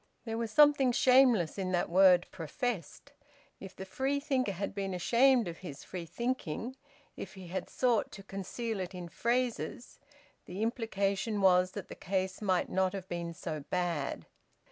There was something shameless in that word `professed.' If the Freethinker had been ashamed of his freethinking, if he had sought to conceal it in phrases, the implication was that the case might not have been so bad.